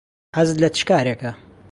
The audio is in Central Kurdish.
حەزت لە چ کارێکە؟